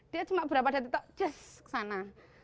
dia cuma beberapa detik saja jes kesana